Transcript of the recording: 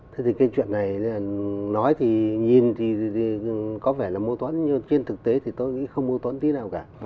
thế thì cái chuyện này nói thì nhìn thì có vẻ là mô thuẫn nhưng trên thực tế thì tôi nghĩ không mâu thuẫn tí nào cả